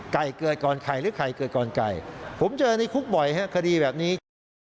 ใกล้เกิดก่อนใครหรือใกล้เกิดก่อนใกล้ผมเจอในคุกบ่อยฮะคดีแบบนี้